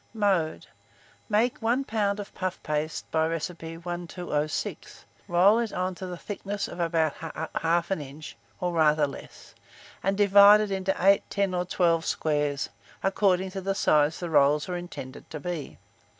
Mode. Make 1 lb. of puff paste by recipe No. 1206; roll it out to the thickness of about 1/2 inch, or rather less, and divide it into 8, 10, or 12 squares, according to the size the rolls are intended to be.